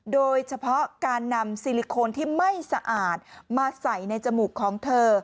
โดยเฉพาะการนำซิลิโคนที่ไม่สะอาดมาใส่ในจมูกของเธอ